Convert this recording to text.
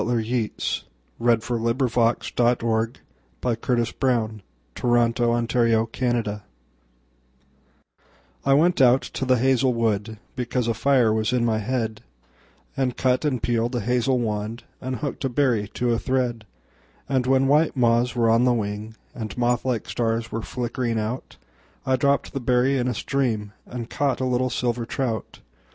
Yeats (1865–1939). The Wind Among the Reeds. 1899. 9. The Song of Wandering Aengus I WENT out to the hazel wood, Because a fire was in my head, And cut and peeled a hazel wand, And hooked a berry to a thread; And when white moths were on the wing, And moth like stars were flickering out,I dropped the berry in a streamAnd caught a little silver trout.